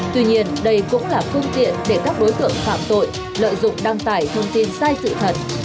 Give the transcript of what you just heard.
tuy nhiên đây cũng là phương tiện để các đối tượng phạm tội lợi dụng đăng tải thông tin sai sự thật